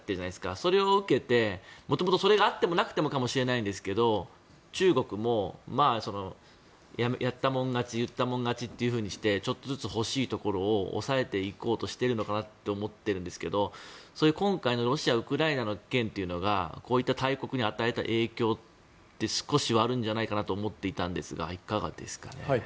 それを受けて元々、それがあってもなくてもかもしれませんが中国もやったもん勝ち言ったもん勝ちというふうにしてちょっとずつ欲しいところを押さえていこうとしているのかなと思っているんですけど今回のロシア、ウクライナの件がこういった大国に与えた影響って少しはあるんじゃないかなと思っていたんですがいかがですかね。